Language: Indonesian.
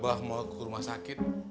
bawa mau ke rumah sakit